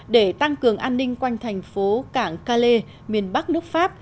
để tăng cường an ninh quanh thành phố cảng cale miền bắc nước pháp